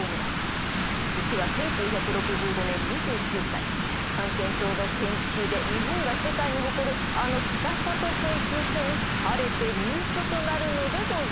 時は１９６５年２９歳感染症の研究で日本が世界に誇るあの北里研究所に晴れて入所となるのでございます。